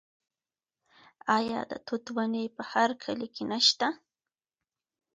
آیا د توت ونې په هر کلي کې نشته؟